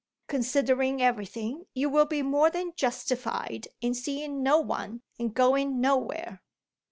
Considering everything, you will be more than justified in seeing no one and going nowhere."